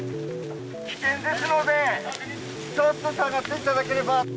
危険ですので、ちょっと下がっていただければ。